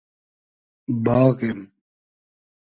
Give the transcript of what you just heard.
باغیم